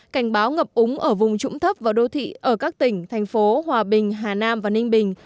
cảnh báo ngập úng ở vùng trũng thấp và đô thị ở các tỉnh thành phố hòa bình hà nam và ninh bình